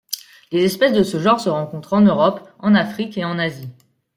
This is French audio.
Les espèces de ce genre se rencontrent en Europe, en Afrique et en Asie.